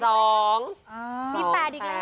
๒๘โอ้ว